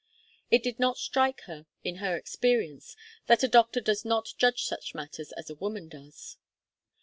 It did not strike her, in her experience, that a doctor does not judge such matters as a woman does.